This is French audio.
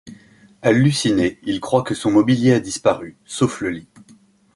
Halluciné, il croit que son mobilier a disparu, sauf le lit.